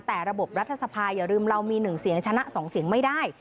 แต่ระบบรัฐสภาอย่าลืมเรามี๑เสียงชนะ๒เสียงไม่ได้